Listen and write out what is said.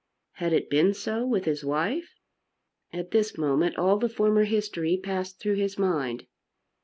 Had it been so with his wife? At this moment all the former history passed through his mind.